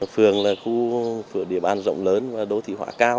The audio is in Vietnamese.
phường là khu địa bàn rộng lớn và đô thị hóa cao